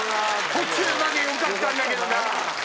途中までよかったんだけどな。